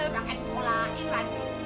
pake disekolahin lagi